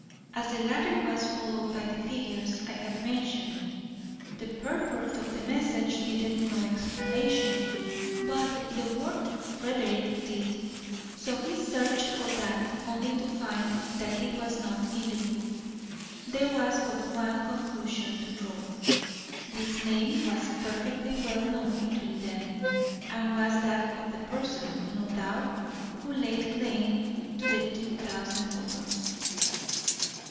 As the latter was followed by the figures I have mentioned, the purport of the message needed no explanation, but the word "Frederick" did. So he searched for that, only to find that it was not in the book. There was but one conclusion to draw. This name was perfectly well known between them, and was that of the person, no doubt, who laid claim to the two thousand dollars.